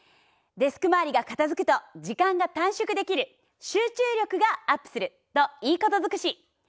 デスク周りが片づくと時間が短縮できる集中力がアップするといいことづくし。